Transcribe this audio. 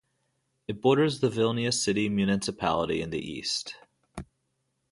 It borders the Vilnius city municipality in the east.